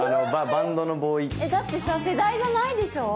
だってさ世代じゃないでしょう。